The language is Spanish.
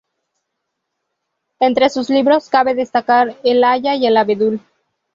Entre sus libros cabe destacar: "El haya y el abedul.